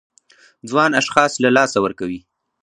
ځوان اشخاص له لاسه ورکوي.